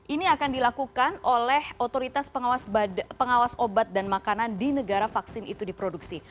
ini akan dilakukan oleh otoritas pengawas obat dan makanan di negara vaksin itu diproduksi